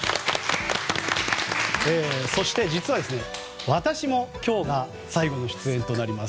そして実は、私も今日が最後の出演となります。